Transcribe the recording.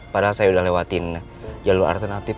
padahal saya udah lewatin jalur alternatif